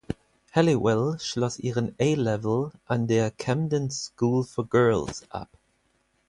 Halliwell schloss ihren A-Level an der "Camden School for Girls" ab.